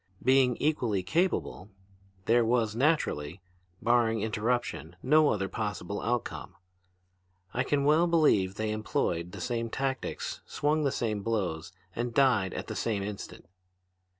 Being equally capable, there was naturally, barring interruption, no other possible outcome. I can well believe they employed the same tactics, swung the same blows, and died at the same instant.